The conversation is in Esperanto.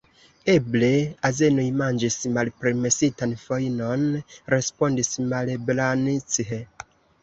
Eble azenoj manĝis malpermesitan fojnon, respondis Malebranche.